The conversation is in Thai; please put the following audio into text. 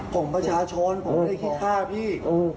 ผมประชาชนผมไม่ได้คิดฆ่าพี่